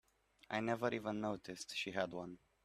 I never even noticed she had one.